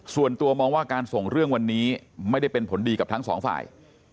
ส่วนตัวมองว่าการส่งเรื่องวันนี้ไม่ได้เป็นผลดีกับทั้งสองฝ่าย